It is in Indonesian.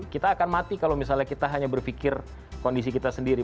kita akan mati kalau misalnya kita hanya berpikir kondisi kita sendiri